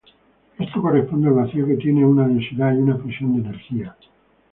Esto corresponde al vacío que tiene una densidad y una presión de energía.